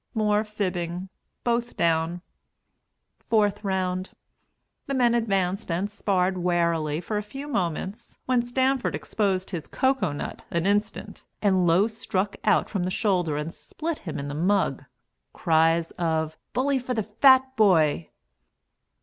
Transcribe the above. More fibbing both down. Fourth Round. The men advanced and sparred warily for a few moments, when Stanford exposed his cocoa nut an instant, and Low struck out from the shoulder and split him in the mug. (Cries of "Bully for the Fat Boy!")